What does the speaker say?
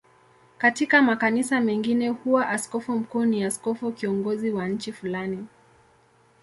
Katika makanisa mengine huwa askofu mkuu ni askofu kiongozi wa nchi fulani.